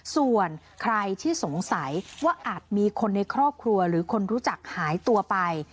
ส่วนใครที่สงสัยว่าอาจมีคนในครอบครัวหรือคนรู้จักหายตัวไป